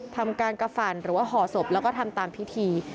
ทำการกระฝั่นหรือว่าห่อศพแล้วก็ทำตามพิธี